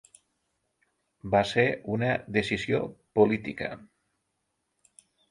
Va ser una decisió política.